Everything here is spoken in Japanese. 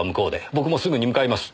僕もすぐに向かいます。